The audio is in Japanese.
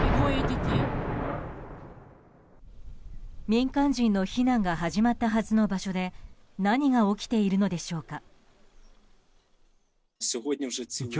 民間人の避難が始まったはずの場所で何が起きているのでしょうか。